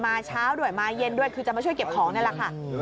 เช้าด้วยมาเย็นด้วยคือจะมาช่วยเก็บของนี่แหละค่ะ